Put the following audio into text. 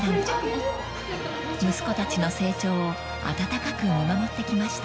［息子たちの成長を温かく見守ってきました］